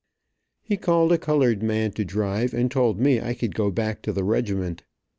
He called a colored man to drive, and told me I could go back to the regiment.